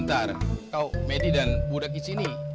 tidak akan kau menjelaskan kita ini